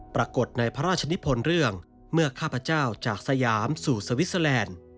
ปรากฏในพระราชนิพลเรื่องเมื่อข้าพเจ้าจากสยามสู่สวิสเตอร์แลนด์